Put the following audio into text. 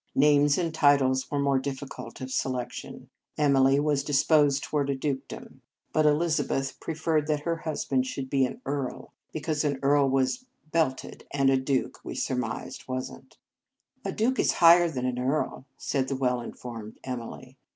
Names and titles were more difficult of selection. Emily was well disposed toward a dukedom; but Elizabeth In Our Convent Days preferred that her husband should be an earl, because an earl was "belted," and a duke, we surmised, was n t. " A duke is higher than an earl," said the well informed Emily.